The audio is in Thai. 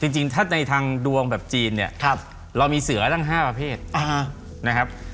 จริงถ้าในทางดวงแบบจีนเนี่ยเรามีเสือตั้ง๕ประเภทนะครับ